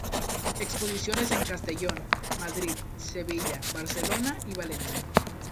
Exposiciones en Castellón, Madrid, Sevilla, Barcelona y Valencia.